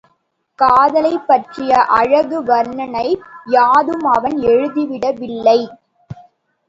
காதலைப்பற்றிய அழகு வருணனை யாதும் அவன் எழுதிவிடவில்லை.